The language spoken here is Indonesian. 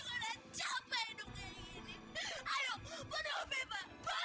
menerima insyaallah pak semoga ada hikmah dibalik semua ini yang jelas jangan sampai